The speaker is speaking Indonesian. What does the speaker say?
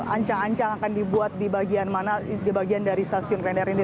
ancang ancang akan dibuat di bagian mana di bagian dari stasiun klender ini